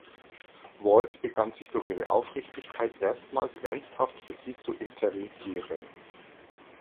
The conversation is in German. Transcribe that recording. Walt beginnt sich durch ihre Aufrichtigkeit erstmals ernsthaft für sie zu interessieren.